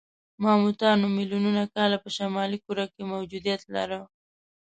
ماموتانو میلیونونه کاله په شمالي کره کې موجودیت لاره.